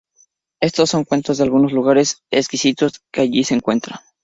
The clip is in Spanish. Estos son cuentos de algunos lugares exquisitos que allí se encuentran.